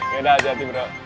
yaudah hati hati bro